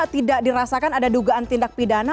tidak dirasakan ada dugaan tindak pidana